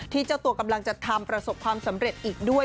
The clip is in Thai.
เจ้าตัวกำลังจะทำประสบความสำเร็จอีกด้วย